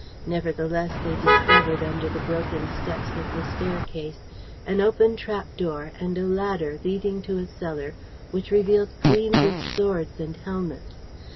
Nevertheless, they discovered, under the broken steps of the staircase, an open trap door and a ladder leading to a cellar which revealed gleams of swords and helmets.